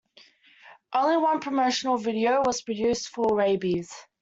Only one promotional video was produced for "Rabies".